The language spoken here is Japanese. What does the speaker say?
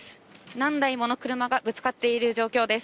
何台もの車がぶつかっている状況です。